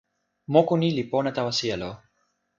moku ni li pona tawa sijelo.